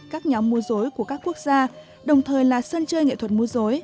các nhóm mùa dối của các quốc gia đồng thời là sân chơi nghệ thuật mùa dối